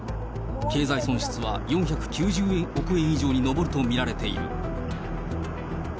経済損失は４９０億円以上に上ると見られている。